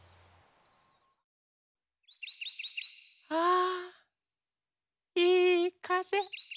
あいいかぜ。